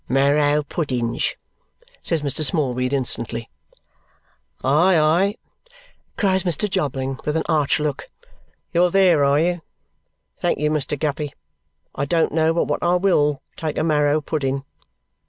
"Marrow puddings," says Mr. Smallweed instantly. "Aye, aye!" cries Mr. Jobling with an arch look. "You're there, are you? Thank you, Mr. Guppy, I don't know but what I WILL take a marrow pudding."